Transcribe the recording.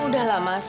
udah lah mas